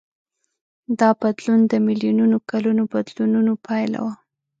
دا بدلون د میلیونونو کلونو بدلونونو پایله وه.